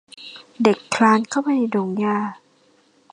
เด็กคลานเข้าไปในดงหญ้า